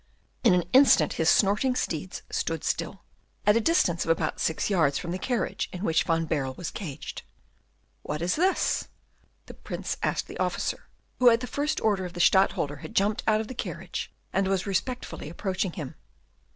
In an instant his snorting steeds stood still, at a distance of about six yards from the carriage in which Van Baerle was caged. "What is this?" the Prince asked the officer, who at the first order of the Stadtholder had jumped out of the carriage, and was respectfully approaching him.